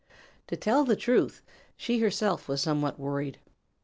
To tell the truth, she herself was somewhat worried.